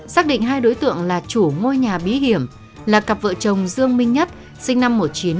xác định hai đối tượng là chủ ngôi nhà bí hiểm là cặp vợ chồng dương minh nhất sinh năm một nghìn chín trăm bảy mươi